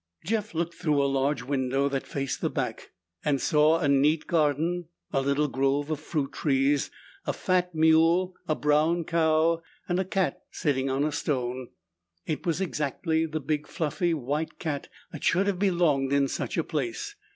Jeff looked through a large window that faced the back and saw a neat garden, a little grove of fruit trees, a fat mule, a brown cow, and a cat sitting on a stone. It was exactly the big, fluffy, white cat that should have belonged in such a place.